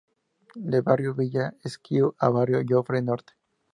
De barrio Villa Esquiú a barrio Yofre Norte.